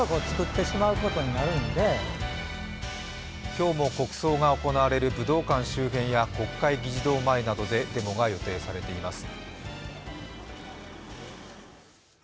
今日も国葬が行われる武道館周辺や国会議事堂でデモが予定されています。